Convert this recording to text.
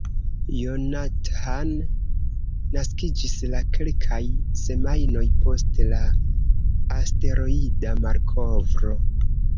Jonathan naskiĝis la kelkaj semajnoj post la asteroida malkovro.